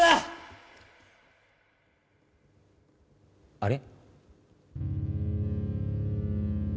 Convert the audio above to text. あれ。